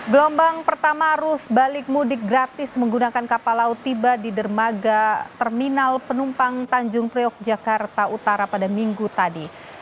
gelombang pertama arus balik mudik gratis menggunakan kapal laut tiba di dermaga terminal penumpang tanjung priok jakarta utara pada minggu tadi